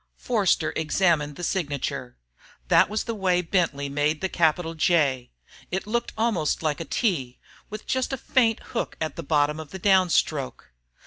Forster examined the signature. That was the way Bentley made the capital J it looked almost like a T, with just a faint hook on the bottom of the down stroke.